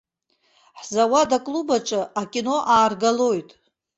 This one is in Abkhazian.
Ҳзауад аклуб аҿы акино ааргалоит.